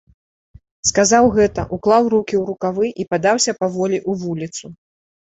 Сказаў гэта, уклаў рукі ў рукавы і падаўся паволі ў вуліцу.